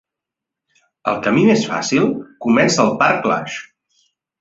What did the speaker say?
El camí més fàcil comença al parc Lage.